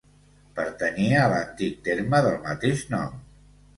Pertanyia a l'antic terme del mateix nom.